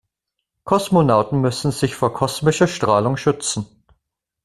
Kosmonauten müssen sich vor kosmischer Strahlung schützen.